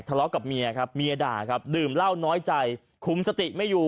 ทะเลาะกับเมียครับเมียด่าครับดื่มเหล้าน้อยใจคุมสติไม่อยู่